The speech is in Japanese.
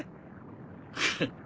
フッ。